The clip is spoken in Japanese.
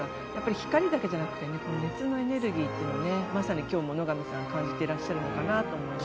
光だけじゃなくて熱のエネルギーというのをまさに今、野上さん感じていると思います。